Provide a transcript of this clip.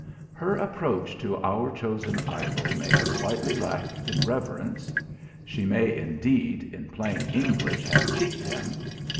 Her approach to our chosen idol may have slightly lacked in reverence; she may, indeed, in plain English, have cheeked him.